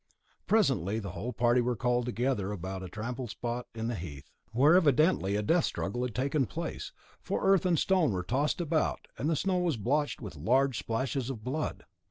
Presently the whole party were called together about a trampled spot in the heath, where evidently a death struggle had taken place, for earth and stone were tossed about, and the snow was blotched with large splashes of blood.